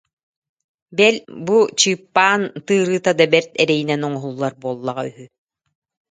Бэл, бу чыыппаан тыырыыта да бэрт эрэйинэн оҥоһуллар буоллаҕа үһү